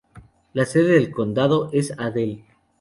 La sede del condado es Adel.